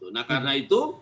nah karena itu